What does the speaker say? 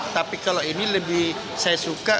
tapi kalau ini lebih saya suka